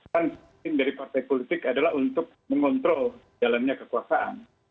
kan tim dari partai politik adalah untuk mengontrol jalannya kekuasaan